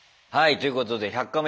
ということで「１００カメ」